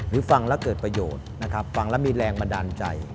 ฟังแล้วเกิดประโยชน์นะครับฟังแล้วมีแรงบันดาลใจ